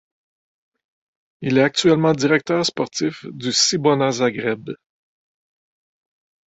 Il est actuellement directeur sportif du Cibona Zagreb.